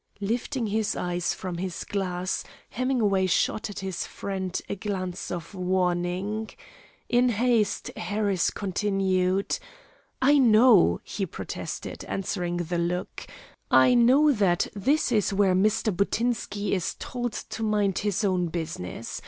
Lifting his eyes from his glass, Hemingway shot at his friend a glance of warning. In haste, Harris continued: "I know," he protested, answering the look, "I know that this is where Mr. Buttinsky is told to mind his business.